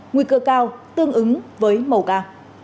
nguy cơ cao tương ứng với mầu ca